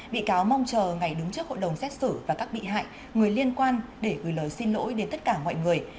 bị cáo mong chờ ngày đứng trước hội đồng xét xử và các bị hại người liên quan để gửi lời xin lỗi đến tất cả mọi người